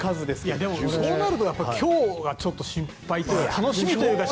でもそうなると今日、ちょっと心配というか。